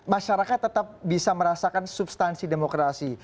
masyarakat tetap bisa merasakan substansi demokrasi